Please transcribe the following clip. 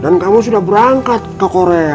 dan kamu sudah berangkat ke korea